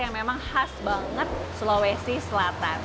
yang memang khas banget sulawesi selatan